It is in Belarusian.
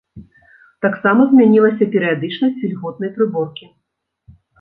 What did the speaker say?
Таксама змянілася перыядычнасць вільготнай прыборкі.